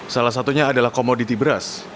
salah satunya adalah komoditi beras